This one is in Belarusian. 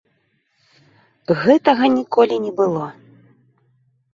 Гэтага ніколі не было.